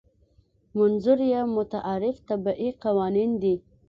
منظور یې متعارف طبیعي قوانین دي.